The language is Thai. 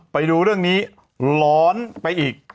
ไปดูเรื่องนี้ร้อนไปอีก